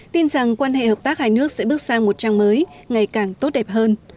tin rằng quan hệ hợp tác hai nước sẽ bước sang một trang mới ngày càng tốt đẹp hơn